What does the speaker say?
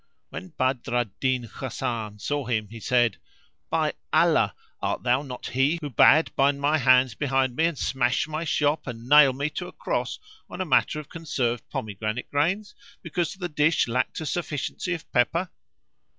When Badr al Din Hasan saw him he said, "By Allah, art thou not he who bade bind my hands behind me and smash my shop and nail me to a cross on a matter of conserved pomegranate grains because the dish lacked a sufficiency of pepper?"